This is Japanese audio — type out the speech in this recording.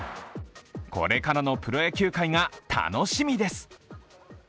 これからのプロ野球界が楽しみです。